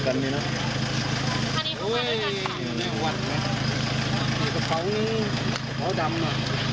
เผาเผาดำน่ะ